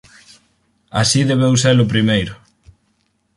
E así debeu ser ó primeiro.